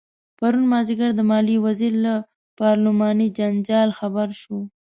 پرون مازدیګر د مالیې وزیر له پارلماني جنجال خبر شو.